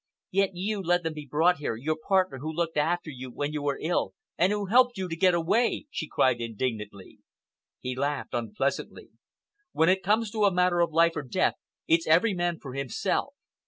"Yet you let him be brought here, your partner who looked after you when you were ill, and who helped you to get away!" she cried indignantly. He laughed unpleasantly. "When it comes to a matter of life or death, it's every man for himself.